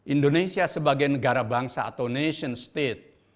indonesia sebagai negara bangsa atau nation state